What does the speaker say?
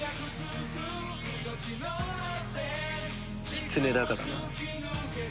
キツネだからな。